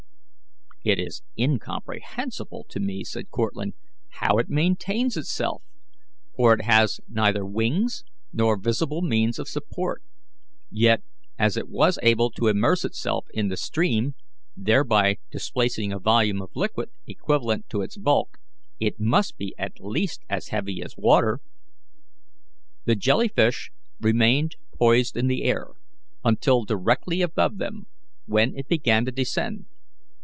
"It is incomprehensible to me," said Cortlandt, "how it maintains itself; for it has neither wings nor visible means of support, yet, as it was able to immerse itself in the stream, thereby displacing a volume of liquid equivalent to its bulk, it must be at least as heavy as water." The jelly fish remained poised in the air until directly above them, when it began to descend.